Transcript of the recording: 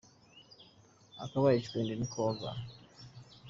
Akabaye icwende ntikoga.